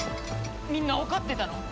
みんなわかってたの！？